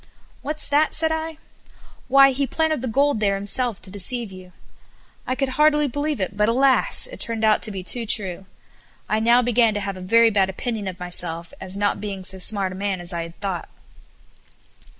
"What's that?" said I, "Why, he planted the gold there himself to deceive you." I could hardly believe it; but, alas! it turned out to be too true. I now began to have a very bad opinion of myself as not being so smart a man as I had thought.